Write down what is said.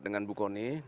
dengan bu kolonis